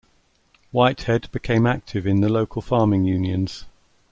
Whitehead became active in the local farming unions.